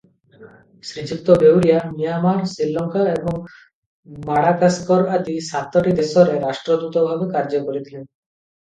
ଶ୍ରୀଯୁକ୍ତ Beuria Myanmar, Sri Lanka ଏବଂ Madagascar ଆଦି ସାତଟି ଦେଶରେ ରାଷ୍ଟ୍ରଦୂତ ଭାବେ କାର୍ଯ୍ୟ କରିଥିଲେ ।